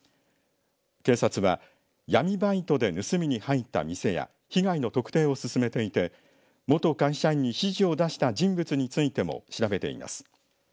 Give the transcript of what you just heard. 警察は闇バイトで盗みに入った店や被害の特定を進めていって元会社員に指示を出した人物についても調べています。